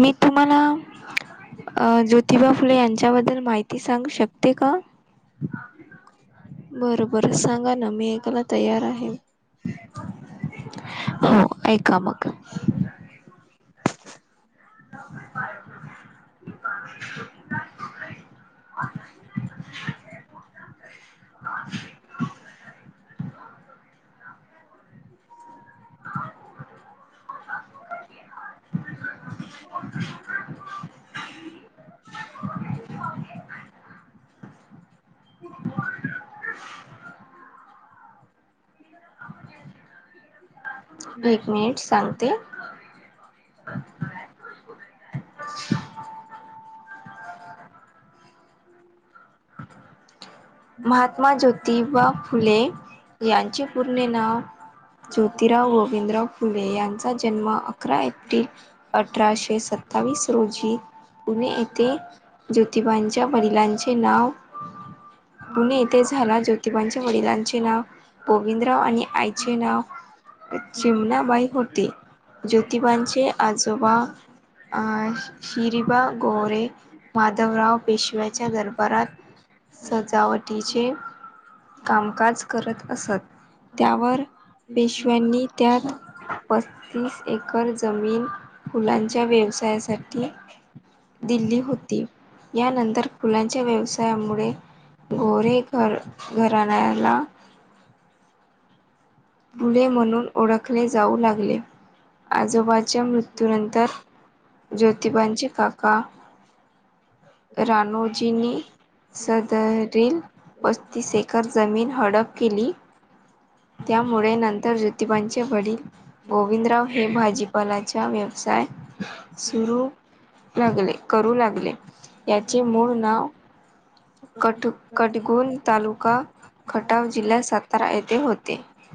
मी तुम्हाला. ज्योतिबा फुले यांच्याबद्दल माहिती सांगू शकते का? बरं बर सांगा ना मी ऐकायला तयार आहे. हो ऐका मग. [inaudible] [inaudible] [inaudible] [inaudible] [inaudible] [inaudible] [inaudible] एक मिनिट सांगते. ते. [inaudible] महात्मा ज्योतिबा फुले यांचे पूर्णे नाव. ज्योतिराव गोविंदराव फुले यांचा जन्म अकरा एप्रिल अठराशे सत्तावीस रोजी पुणे येथे ज्योतिबांच्या वडिलांचे नाव पुणे येथे झाला धिबाांचे वडिलांचे नाव गोविंदराव आणि आणि आईचे नाव चिमना बाय होरते ज्योतीबाांछे आजोबा शिरीबा गोरे माधवराव पेशव्याच्या रम परत सजावटीचे कामकाज करत असत. त्यावर पेशव्यांनी त्या पस्तीस एकर जमीन फुलांच्या व्यवसायासाठी दिली होती यानंतर फुलां च्या व्यवसायामुळे गोरे घर घराण्याला फुले म्हणून ओळखले जाऊ लागले आजोबाच्या मृत्यूनंतर. ज्योतिबांचे काका रानोजीनी. सदरील पस्तीस एकर जमीन हडप केली. त्यामुळे नंतर ज्योतिबांचे वडील गोविंदराव हे भाजीपालाच्या व्य सय सुरू लागले करू लागले याचे मूळ नाव कठ कडगुण तालुका खटाव जिल्ह्यात सातारा येथे होते. [unintelligible]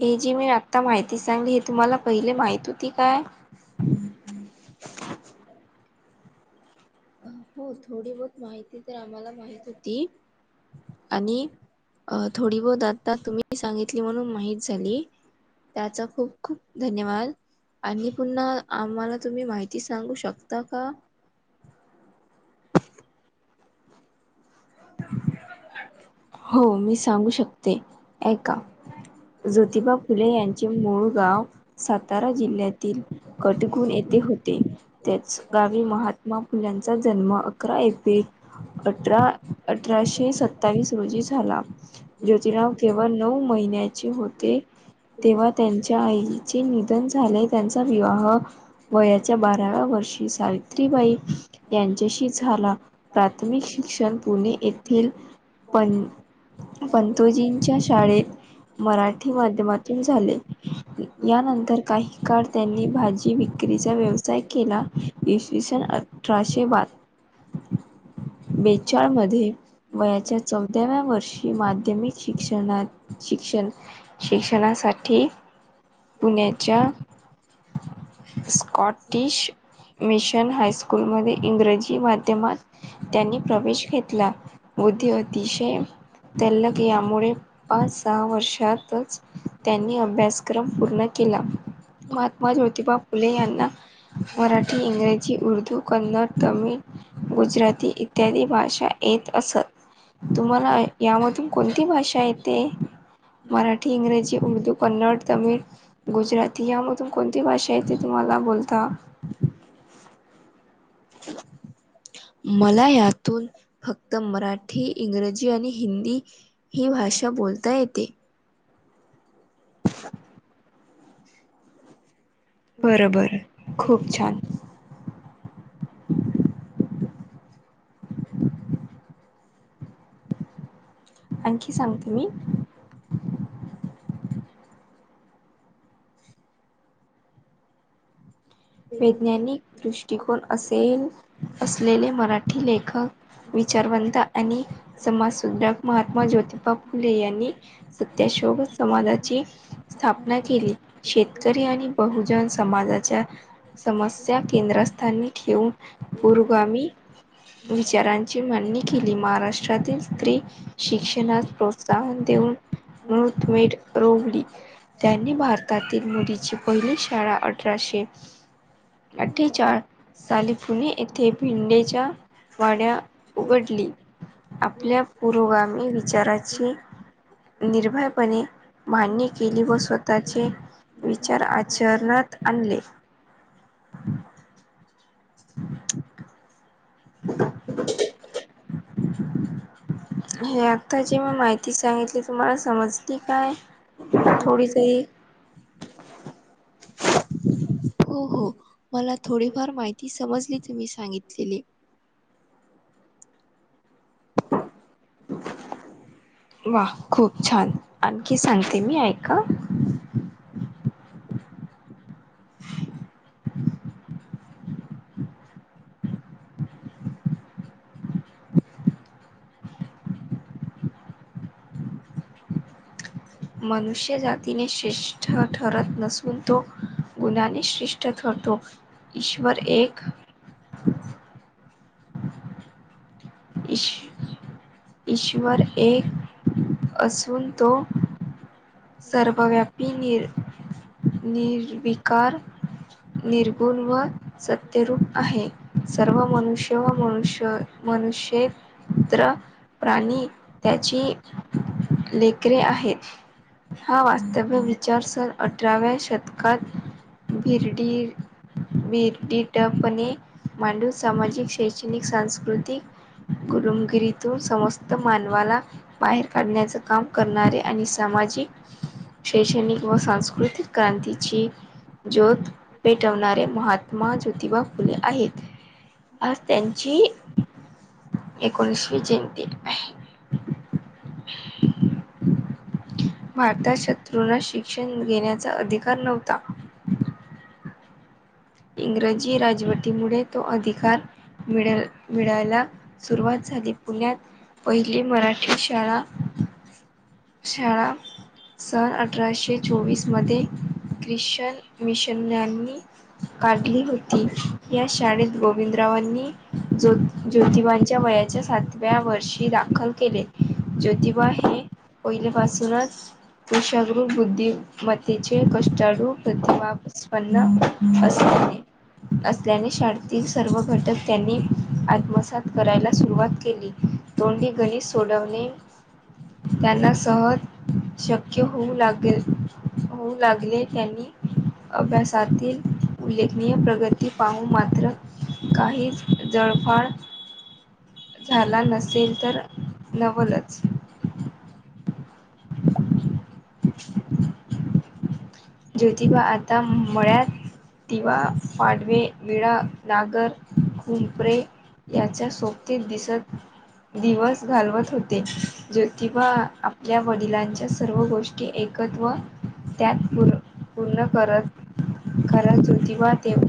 हे जी मी आत्ता माहिती सांगली हे तुम्हाला पहिले माहित होती काय? हो थोडी बहत माहिती तर आम्हाला माहित होती. आणि अ थोडी बहुत आता तुम्ही सांगितली म्हणून माहित झाली. त्याचा खूप खूप धन्यवाद. आणि पुन्हा आम्हाला तुम्ही माहिती सांगू शकता का? हो मी सांगू शकते ऐ का. ज्योतिबा फुले यांचे मूळ गाव सातारा जिल्ह्यातील कटगुण येथे होते. त्याच गावी महात्मा फुल्यांचा जन्म अकरा एप्रिल अठरा अठराशे सत्तावीस रोजी झाला. ज्योतिराव केवळ नऊ महिन्याचे होते तेव्हा त्यांच्या आई चे निधन झाले. त्यांचा विवाह वयाच्या बाराव्या वर्षी सावी सावित्रीबाई यांच्याशी झाला. प्राथमिक शिक्षण पुणे येथील पण पंतोजींच्या शाळेत मराठी माध्यमात. झाले यानंतर काही काळ त्यांनी भाजी विक्रीचा व्यवसाय केला. इसवी सन अठराशे बार [inaudible] म वयाच्या च व्या वर्षी माध्यमिक शिक्षण शिक्षण शिक्षणासाठी ठीक पुण्याच्या स्कॉटिश मिशन हायस्कूलमध्येध्ये इंग्रजी माध्यमात त्यांनी प्रवेश घेतला. बुद्धी अतिशय तलग यामुळे पाच सहा वर्षातच त्यांनी अभ्यासक्रम पूर्ण केला. महात्मा ज्योतिबा फुले यांना मराठी इंग्रजी उर्दू कन्नड तमिळ गुजराती इत्यादी भाषा येत असत. तुम्हाला यामधून कोणती भाषा येते? मराठी, इंग्रजी, उर्दू, कन्नड, तमिळ गुजराती यामधून कोणती भाषा आहे त तुम्हाला बोलता? [unintelligible] मला यातून फक्त मराठी इंग्रजी आणि हिंदी. ही भाषा बोलता येते. ह बरं बरं खूप छान! आणखी सांगते मी. वैज्ञानिक दृष्टिकोन असेल असलेले मराठी लेखक विचारवंत आणि समाजसध्रक महात्मा ज्योती फुले यांनी सत्याशोक समाजाची स्थापना केली. शेतकरी आणि बहुजन समाजाच्या समस्या केंद्रस्थानी ठेऊन, पुरोगामी विचारांची माडणी केली. महाराष्ट्रातील स्त्री शिक्षणात प्रोत्साहन देऊन मुहूर्तमेढ रोवली. त्यांनी भारतातील मोदीची पहिली शाळा अठराशे अठ्ठे चार साली पुणे येथे भिंडेच्या वाड्या उघडली. आपल्या पुरोगामी विचाराची निर्भयपणे मान्य केली व स्वतःचे विचार आचरणात आणले. [inaudible] [inaudible] हे आताची मी माहिती सांगितली. तुम्हाला समजली काय थोडी तरी? हो हो मला थोडीफार माहिती समजली तुम्ही सांगितलेली वा खूप छान आणखी सांगते मी ऐका [inaudible] मनुष्य जातीने श्रेष्ठ ठरत नसून तो गुणाने श्रेष ठरतो ईश्वर एक इश ईश्वर एक असून तो सर्वव्यापी नि निर् कार निर्गुण व सत्यरूप आहे सर्व मनुष्य मनुष्य मनुष्येत्र प्राणी त्याची लेकरे आहेत हा वास्तव्य विचार सण अठराव्या शतकात भिरडीटपणे मांडू सामाजिक शैक्षणिक स्कृतिक कुलमगिरीतो सस् मानवाला बाहेर काढण्याच काम करणारे आणि सामाजिक श श्रेणी किं मवा साांस्कृतिक क्रांतीीची ज्योत पेटवणारे महात्मा ज्योतिबा फुले आहेत आज त्यांची एकोणीसवी जयंती आहे. अता शत्रूंना शिक्षण घेण्याचा अधिकार नव्हता इंग्रजी राजवटीमुळे तो अधिकार मिळल मिळायला सुरुवात झाली पुण्यात पहिली मराठी शाळा शाळा सन अठराशे चोवीस मध्ये ख्रिश्चन मिशन्यांनी काढली होती या शाळेत ग रविंदरावांनी ज्योत ज्योतिबांच्या वयाच्या सातव्या वर्षी दाखल केले ज्योतिबा हे पहिल्यापासूनच कुशागृ बुद्धी मतेचे कष्टारू प्रतिभपन्न अस असल्याने शाळेतील सर्व घटक त्यांनी आत्मसात करायला सुरुवात केली तोंडी गणित सोडवणे त्यांना सहज शक्य होऊ लागेल होऊ लागले त्यांनी अभ्यासातील उल्लेखनीय प्रगती पाहू मात्र काहीच जळफाळ झाला नसेल तर नवलच [inaudible] ज्योतिबा आता मुळ्यात दिवा पाडवे बळा नागर खुंपरे याच्या सोबती दिसत दिवस घालवत हो ज्योतिबा आपल्या वडिलांच्या सर्व गोष्टी एकत्व त्यात पूर्ण करत खरं जुतिवा देव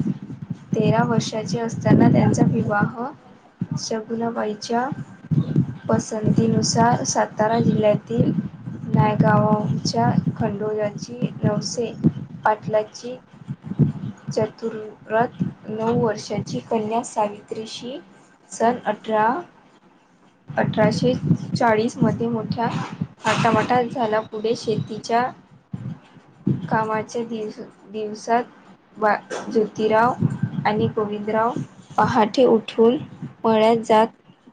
तेरा वर्षाचे असताना त्यांचा विवाह शगुनाबाईच्या पसंतीनुसार सातारा जिल्ह्यातील नायगाव तमच्या खंडोळाची नऊशे पाटलाची चतुात नऊ वर्षाची कन्या सावित्रीशी सठ अठरा अठराशे चाळीस मध्ये मोठ्या आटमाटा झाल्या पुढे शेतीच्या कामाच्या दि दिवसात बा ज्योतिराव आणि गोविंदराव पहाटे उठून मळ्यात जात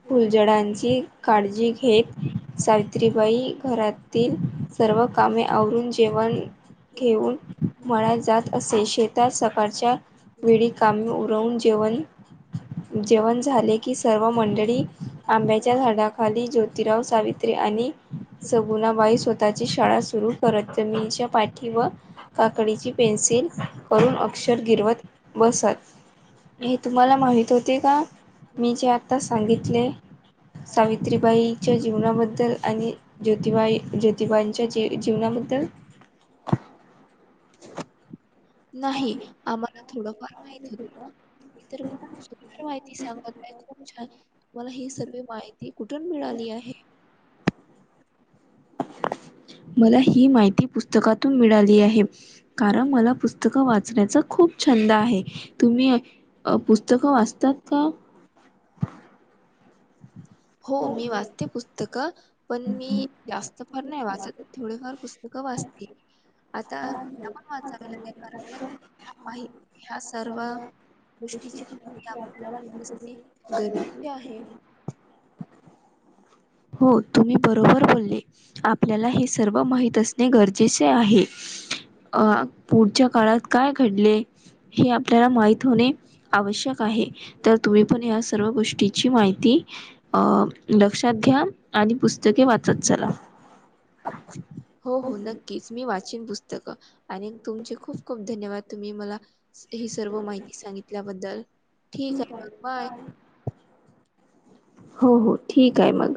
फुलझडांची काळजी घेत सावित्रीबाई घरातील सर्व कामे आवरून जेवण घेऊन म्हणा जात असेल शेतात सकाळच्या वेळी कामे उरवून जेवण जेवण झाले की सर्व मंडळी आंब्याच्या झाडाखाली जो तीराव सावित्री आणि सगुणाबाई स्वतःची शाळा सुरू करतनीच्या पा ठी व काकडीची पेन्सिल करून अक्षर गिरवत बसत. हे तुम्हाला माहित होते का? मी जे आता सांगितले. सावि त्रिबाईच्या जीवनाबद्दल आणि ज्योतिबाई- ज्योतिबांच्या जी- जीवनाबद्दल नाही आम्हाला थोडंफार माहित होत तुम्ही तर खूप सुंदर माहिती सांगत आहे, खूप छान तुम्हाला ही सर्वे माहिती कुठून मिळाली आहे? मला ही माहिती पुस्तकातून मिळाली आहे. कारण मला पुस्तकं वाचण्याचा खूप छंद आहे, तुम्ही अ पुस्तकं वाचतात का? [inaudible] हो, मी वाचते पुस्तकं पण मी जास्त फार नाही वाचत थोडेफार पुस्त तू का वाचते? आता मला पण वाचाव लागेल कारण का ह्या पाही ह्या सर्व [unintelligible] [unintelligible] गोष्टीची माहिती भूक आपल्याला लागल्या असणे -लागल्या [unintelligible] गरजेचे आहे. हो तुम्ही बरोबर बोल्ले. आपल्याला हे सर्व माहित असणे गरजेचे आहे. अ पुढच्या काळात काय घडले? हे आपल्याला माहित होणे आवश्यक आहे तर तुम्ही पण या सर्व गोष्टी ची माहिती अ लक्षात घ्या आणि पुस्तके वाचत चला. हो -हो नक्कीच मी वाचीन पुस्तकं. आणि तुमचे खूप -खूप धन्यवाद तुम्ही मला ही सर्व माहिती सांगितल्याबद्दल. ठीक आहे मग बाय. हो -हो ठीक आहे मग.